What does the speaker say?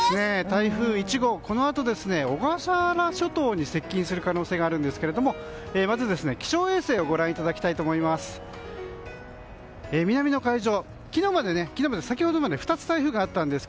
台風１号、このあと小笠原諸島に接近する可能性があるんですがまず気象衛星をご覧いただきたいと思います。